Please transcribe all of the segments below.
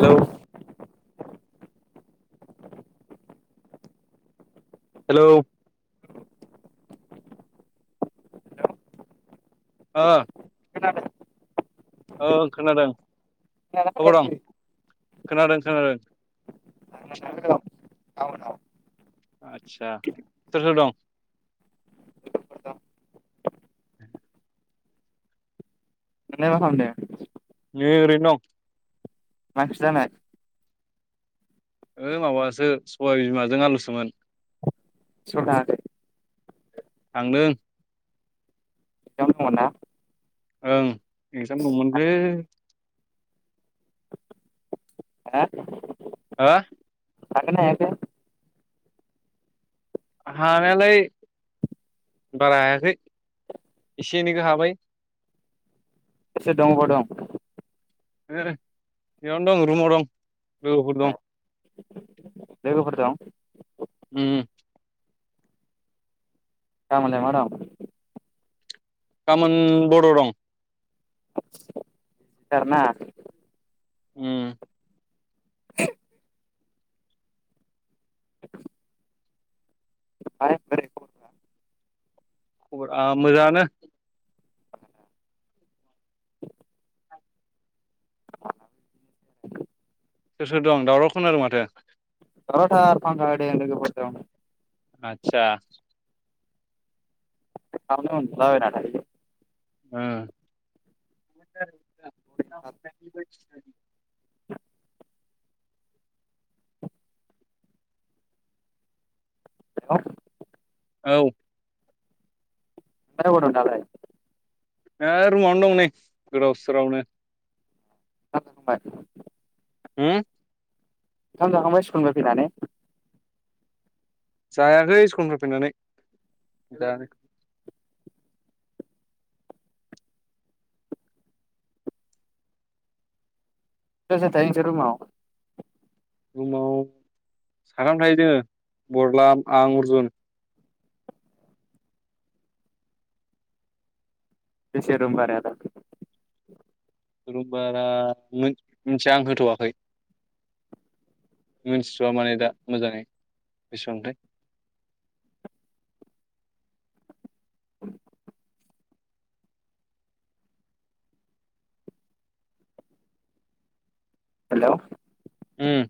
Hello. Hello. ओ। खोनादों? ओं खोनादों। खोनादोंना अबाव दं खोनायाखै? खोनादों खोनादों। खोनायाखै [unintelligible] आदच्छा सोर सोर दं? [inaudible] नोंलाय मा खालामदों? नै ओरैनो दं। मा ओंख्रि जानाय? ओ माबासो सबाय बिमाजों आलुसोमोन। स्कुल थांङाखै? थांदों। [unintelligible] ओं एक्जाम दंमोनलै। हो। हागोनना हायाखै? हानायालाय। बारा हायाखै एसे एनैखौ हाबाय। सोर सोर दं अबाव दं? बेयावनो दं रुमाव दं लोगोफोर दं। लोगोफोर दं? ओम। गामोनलाय मा दं? गाबोन बर' दं। सिखार ना। ओं। ओमफ्राय बोरै खबर खबर आ मोजाङानो। सोर सोर दं दावराव खोनादों माथो। दावराव थार फांका होदों लोगोफोर दं। आतसा। बेयावनो उनदुलाबायना थायोलै। ओ ओमफ्राय [unintelligible] औ। [unintelligible] ए रुमावनो दं नै गोदाव सोरावनो। ओंखाम जाखांबाय होम ओंखाम जाखांबाय स्कुलनिफाय फैनानै। जायाखै स्कुलनिफ्राय फैनानै जा सोर सोर थायो नोंसोर रुमआव? रुमाव साथाम थायो जोङो बरला आं अर्जुन। बेसे रुम फारायालाय? रुमभारा मिथिया आं होथ'वाखै। मिथिथ'वा माने दा मोजाङै बेसेबांथाय। हेलौ ओम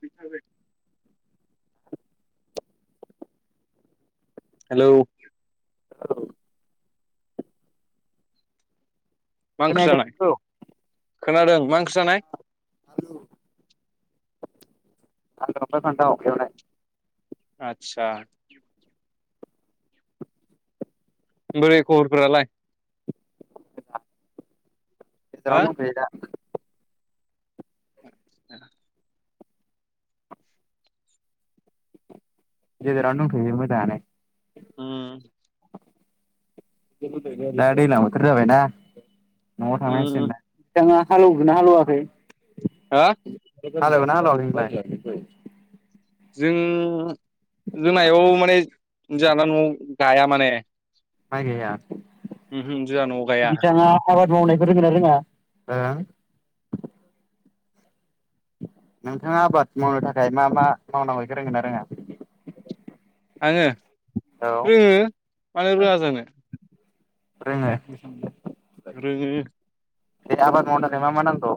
बिथाय [unintelligible] हेलौ मा ओंख्रि खोनायाखै जानाय नोंनिखौ। खोनादों मा ओंख्रि जानाय? [unintelligible] फान्थाव एवनाइ आतसा बोरै खबरफोरालाय? हो गेजेरावनो दंथ'यो दा। ए गेजेरावनो दंथ'यो मोजाङानो। ओम दा दैलां बोथोर जाबायना न'आव हो थांनांसिगोन। हालेवगोनना हालौवाखै हो हालेवदोंना हालेवाखै नोंलाय? जों जों आयौ माने जानला न'आव गाया माने। माय गाया। उमहो जोंहा न'याव गाया। आबाद मावनायखौ रोंङोना रोङा? नोंथाङा आबाद मावनो थाखाय मा मा मावनांगौ इखौ रोंगोन आरो रोङा? आङो औ रोङो मानो रोङा जानो। रोङो। रोङो। दे आबद मावनो थाखाय मा मा नांगौ?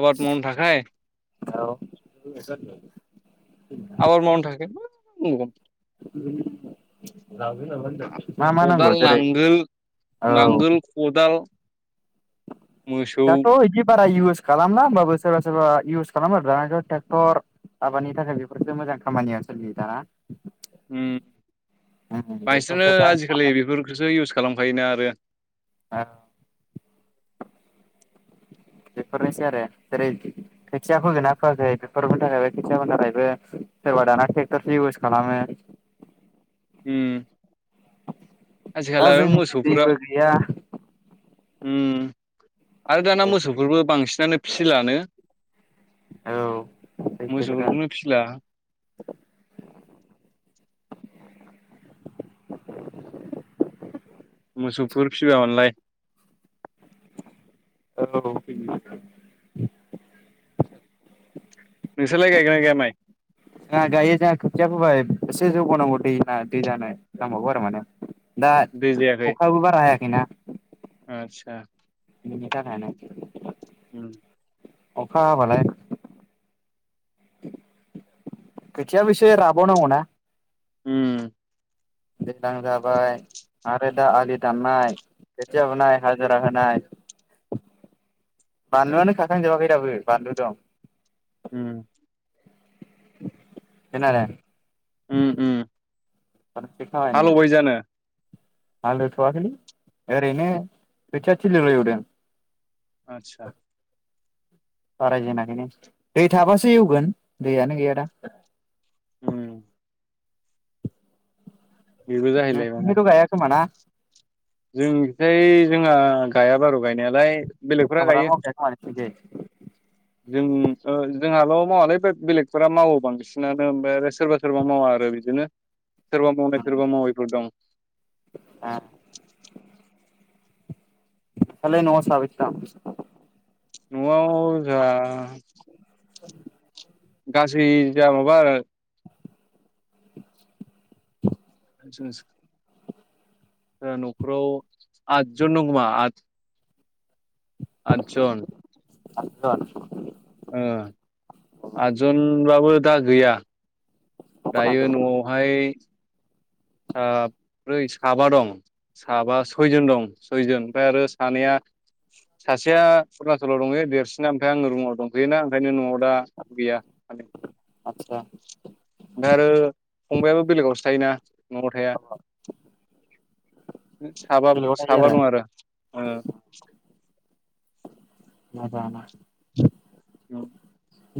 आबाद मावनो थाखाय [unintelligible] आबाद मावनो थाखाय मा मा नांबावगोन। उ मा मा खदाल नांगौ जेरै नांगोल औ नांगोल खदाल मोसौ दाथ' बिदि बारा इउस खालामना होमबाबो सोरबा सोरबा इउस खालाम आरो दानाथ' ट्रेक्टर आबादनि थाखाय बेफोरफोरसो मोजां खामानिया ओनसोललियो दाना। ओम उम बांसिनानो बेफोरसो दा आजिखालि बेफोरखौसो इउस खालामखायोना आरो। औ बेफोरनोसै आरो जेरै खोथिया फोगोना फोयाखै बेफोरनि थाखायबो खोथियाफोरनि थाखायबो सोरबा दाना ट्रेक्टर इउस खालामो। उम दा आजिखाल आरो जोंनि मोसौफोरा दैबो गैया ओम आरो दाना मोसौफोरबो बांसिनानो फिसिलानो। औ सैथो खोथा मोसौफोरखौनो फिसिला। [inaudible] मोसौफोर फिबानलाय। औ। [unintelligible] नोंसोरलाय गायगोन ना गैया माइ? जोंहा गायो जोंहा खोथिया फोबाय एसे जौगानांगौ दै दै जानाय नांबावगौ आरो माने। दा दै जायाखै अखायाबो बारा हायाखैना [unintelligible] आदसा उ अखा हा बालाय। खोथियाबो एसे राबावनांगौना। ओम दैज्लां जाबाय आरो दा आलि दाननाय। खोथिया बुनाय हाजिरा होनाय [inaudible] बानलुआनो खाखांजोबाखै दाबो बानलु दं। उम [unintelligible] उम उम हालौबाय जानो [unintelligible] हालौ थाआखैलै ओरैनो खोथिया थिलि'ल एवदों। आतसा। बारायजेनाखैनो दै थाबासो एवगोन दैयानो गैया दा। ओम। बेबो नोंसिनिथिं थ गायाखोमा ना? जोंनि खिजाया जोंहा गायाबारू गायनायालाय। बेलेगफोरा गायो आबादानो मावखाया खोमा नोंसिनिखै जों जोंहाल' मावालै बेलेगफोरा मावो बां बिसिनानो ओमफ्राय सोरबा सोरबा मावा आरो बि बिदिनो सोरबा मावनाय सोरबा मावैफोर दं। दालाय न' सानैसो दं? न' आव जोंहा। [inaudible] गासै जोंहा माबाआरो [unintelligible] न'खर आव आदजोंन दं खोमा। आटजन। आथजन ओ आदजनबाबो दा गैया गथ' दायो हिनजावखौ न'आवहाय। ओ साब्रै साबा दं साबा सयजोन दं सयजन ओमफ्राय आरो सानैया सासेया अरुणाचलाव दंङो देरसिना ओमफ्राय आंनि रुमाव दंफैयोना ओंखायनो न'आव दा गैया आचसा। जायोना न'आव थाया। साबा बेलेगाव थायो साबा दं आरो। मोजांआनो औ।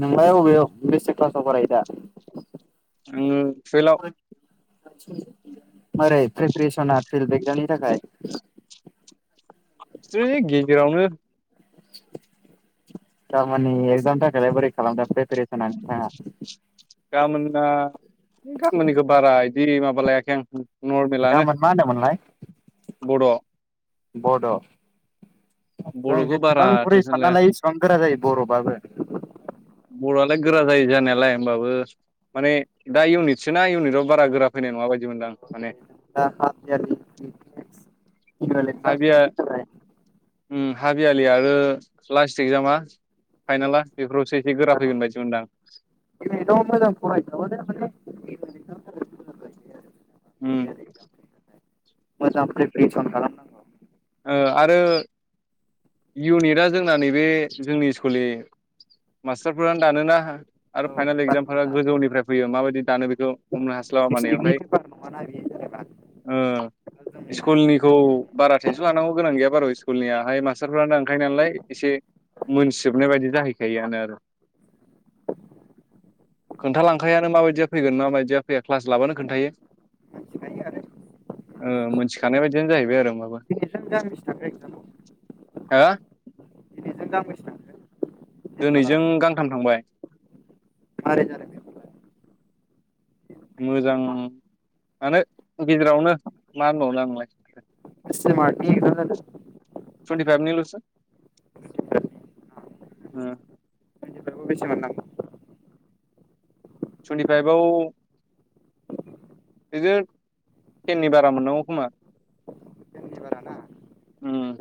नोंलाय अबेयाव बेसे क्लासाव फरायोदा। आङो तुवेलाव मारै प्रिपेरेसना फिल्ड एक्जामनि थाखाय? ओइ गेजेरावनो। दामानि एकजामनि थाखायलाय बोरै खालामदों प्रेपारेसना नोंथाङा? गाबोनना गाबोननिखौ बारा इदि माबा लायाखै आं। नरमेलानो गाबोन मा होनदोंमोनलाय? बड' बड' जों बड'खौ बारा जेसेबां गुरै टेनसन लाया साननालायो एसेबां गोरा जायो बर'बाबो। बर'आलाय गोरा जायो जानायालाय होमबाबो। माने दा इउनिटसो ना इउनिटआव बारा गोरा फैनाय नङाबायदि। दा हाफेयारलि एनुवेल एकजामफोरनि थाखाय उम हाफ इयारनि आरो लास्ट एक्जामा फाइनाला बेफोरावसो एसे गोरा फैगोन बायदि मोनदां। इउनिटआव मोजां फरायखाबानो माने एनुयेल एक्जामफोरा मोजां जायो आरो उम मोजां प्रेपारेसन खालाम नांगौ। ओ आरो इउनिटआ जोंना नैबे जोंनि स्कुलनि मास्टारफोरानो दानोना। औ आरो फाइनाल पेपारखौ एकजामफोरा ना गोजौनिफ्राय फैयो माबायदि दानो बेखौ बुंनो हास्लाबा माने ओमफ्राय नङा ना बि ओ स्कुलनिखौ फोरोंगिरिनि बारा नाव गोनां गैया बारा' स्कुलनियाहाय मासटारफ्रानो दानखायो नालाय एसे मोनसोबनाय बायदि जाहैखायोआनो आरो। खोन्थालांखायोनो मा बायदिया फैगोन माबायदिया फैया क्लास लाबानो खोन्थायो। ओ मोनथिखानाय बायदियानो जाहैबाय आरो माबा। दिनैजों गांबेसे थांखो एक्जामाव? हो दिनैजों गां बेसे थांखो? दिनैजों गांथाम थांबाय। मारै जादों? मोजां आनो गेजेरावनो मा होनबावनो आंलाय। बेसे मार्कनि एकजाम जादों? टुइन्टिफाइभनिल'सो टुइन्टि उम फाइभआव बेसे मोननांगौ? तुइनति फाइभ आव बिदि तेननि बारा मोननांगौ खोमा। टेननि बारा ना उम।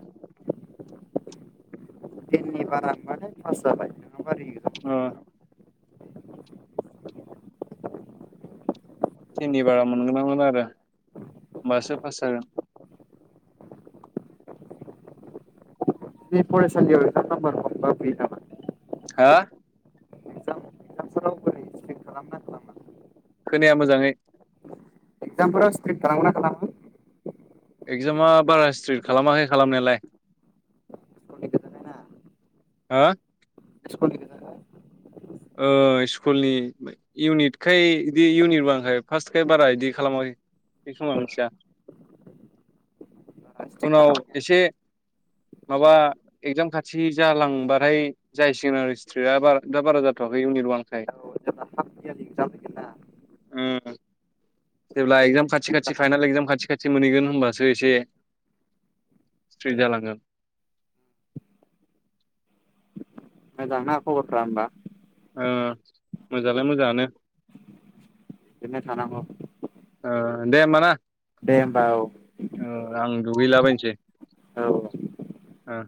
तेननि बारा मोनबानो फास जाबाय। ओ [inaudible] तिननि बारा मोनग्रो नांगोन आरो होमबासो पास जागोन। बे फरायसालियाव एसां नामबार मोनबा बुयो नामा? हा एगजाम एगजामफोराव बोरै स्ट्रिक खालामना खालामा खोनाया मोजाङै। एकजाम फोराव‌ स्ट्रिक खालामो ना खालामा? एक्जामा बारा स्ट्रिक खालामाखै खालामनायालाय। स्कुलनि हा ओ स्कुलनि इउनिटखाय बिदि इउनिट बाखाय फार्स्टखाय बारा बिदि खालामाखै। बे खोमा मिथिया। बारा स्ट्रिक उनाव खालामाखै एसे आरोना माबा एक्जाम खाथि जालांबाथाय जायसिगोन आरो स्ट्रिकआ। दा बारा जाथ'आ दाबो इउनिबां खाय। औ जेब्ला हाफ इयारलि एगजाम फैगोन ना उम जेब्ला बे एक्जाम खाथि - स्ट्रिक खाथि खालामो फाइनाल एक्जाम खाथि - खाथि मोनहैगोन होनबासो एसे स्ट्रिक जालांगोन। मोजां ना खबरफ्रा ओमबा? ओ मोजां आलाय मोजाङानो। बिदिनो थानांगौ। ओ दे होमबा ना दे होमबा औ दुगै हैलाबायनोसै औ आ